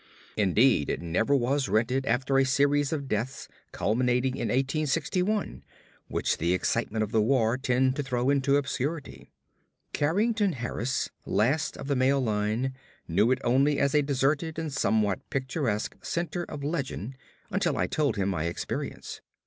Indeed, it never was rented after a series of deaths culminating in 1861, which the excitement of the war tended to throw into obscurity. Carrington Harris, last of the male line, knew it only as a deserted and somewhat picturesque center of legend until I told him my experience.